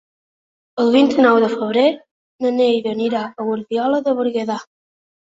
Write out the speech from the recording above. El vint-i-nou de febrer na Neida anirà a Guardiola de Berguedà.